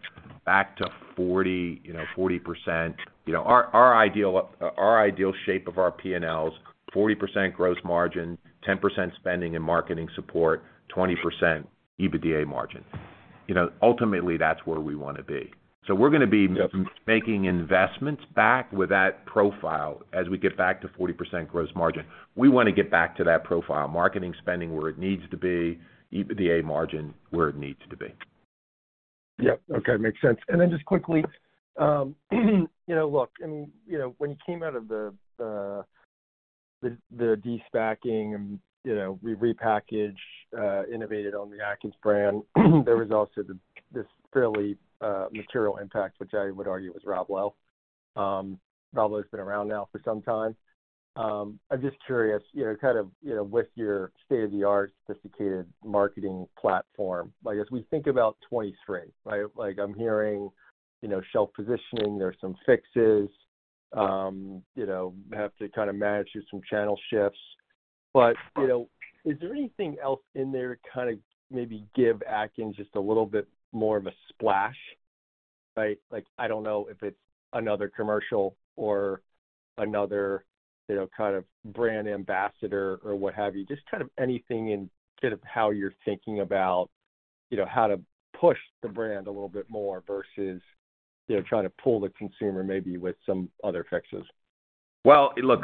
back to 40, you know, 40%, you know, our ideal, our ideal shape of our P&Ls, 40% gross margin, 10% spending and marketing support, 20% EBITDA margin. You know, ultimately, that's where we wanna be. We're gonna be making investments back with that profile as we get back to 40% gross margin. We wanna get back to that profile, marketing spending where it needs to be, EBITDA margin where it needs to be. Yep. Okay. Makes sense. Just quickly, you know, look, you know, when you came out of the, the de-stocking and, you know, we repackaged, innovated on the Atkins brand, there was also this fairly material impact, which I would argue was Rob Lowe. Rob Lowe's been around now for some time. I'm just curious, you know, kind of, you know, with your state-of-the-art sophisticated marketing platform, like as we think about 23, right? Like I'm hearing, you know, shelf positioning, there are some fixes. You know, have to kinda manage through some channel shifts. You know, is there anything else in there kinda maybe give Atkins just a little bit more of a splash, right? Like, I don't know if it's another commercial or another, you know, kind of brand ambassador or what have you. Just kind of anything in kind of how you're thinking about, you know, how to push the brand a little bit more versus, you know, trying to pull the consumer maybe with some other fixes? Look,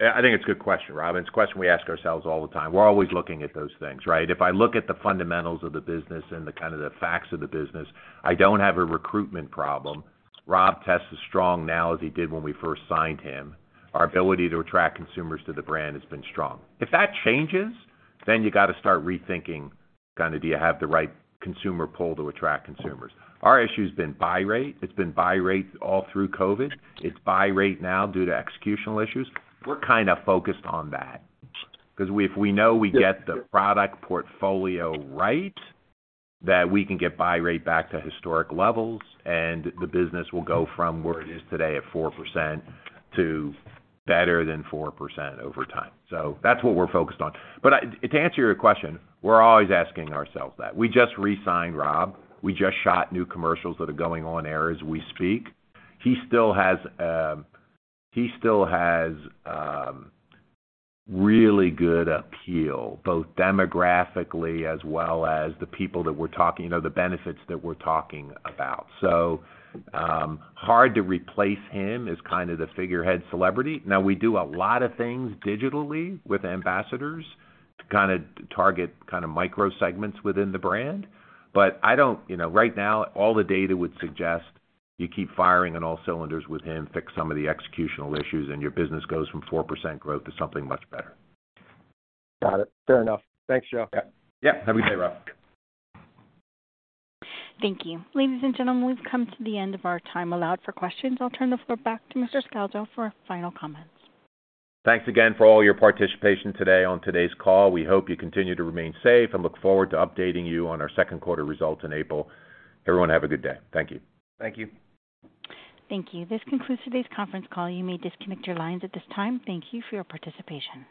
I think it's a good question, Rob. It's a question we ask ourselves all the time. We're always looking at those things, right? If I look at the fundamentals of the business and the kind of the facts of the business, I don't have a recruitment problem. Rob tests as strong now as he did when we first signed him. Our ability to attract consumers to the brand has been strong. If that changes, you gotta start rethinking kinda do you have the right consumer pull to attract consumers. Our issue's been buy rate. It's been buy rate all through COVID. It's buy rate now due to executional issues. We're kinda focused on that 'cause we if we know we get the product portfolio right, that we can get buy rate back to historic levels and the business will go from where it is today at 4% to better than 4% over time. That's what we're focused on. I to answer your question, we're always asking ourselves that. We just re-signed Rob. We just shot new commercials that are going on air as we speak. He still has really good appeal, both demographically as well as the people that we're talking, you know, the benefits that we're talking about. Hard to replace him as kind of the figurehead celebrity. Now, we do a lot of things digitally with ambassadors to kinda target kinda micro segments within the brand. I don't... You know, right now, all the data would suggest you keep firing on all cylinders with him, fix some of the executional issues, and your business goes from 4% growth to something much better. Got it. Fair enough. Thanks, Joe. Okay. Yeah. Have a good day, Rob. Thank you. Ladies and gentlemen, we've come to the end of our time allowed for questions. I'll turn the floor back to Mr. Scalzo for final comments. Thanks again for all your participation today on today's call. We hope you continue to remain safe and look forward to updating you on our second quarter results in April. Everyone, have a good day. Thank you. Thank you. Thank you. This concludes today's conference call. You may disconnect your lines at this time. Thank you for your participation.